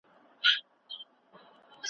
ما خو د لرې نه سهي کړې